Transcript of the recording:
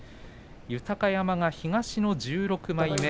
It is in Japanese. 豊山が東の１６枚目。